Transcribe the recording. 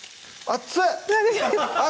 熱い！